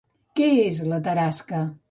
Què és la Tarasca?